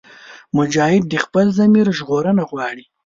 مجاهد د خپل ضمیر ژغورنه غواړي.